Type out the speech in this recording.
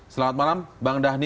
selamat malam bang dhanil